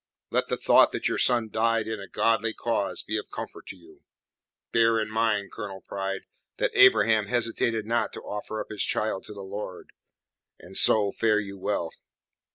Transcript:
Let the thought that your son died in a godly cause be of comfort to you. Bear in mind, Colonel Pride, that Abraham hesitated not to offer up his child to the Lord. And so, fare you well."